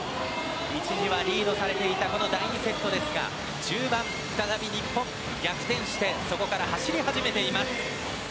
一時はリードされていた第２セットですが中盤、再び日本が逆転してそこから走り始めています。